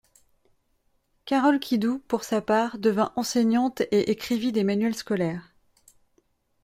Carol Kidu, pour sa part, devint enseignante, et écrivit des manuels scolaires.